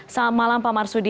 selamat malam pak marsudi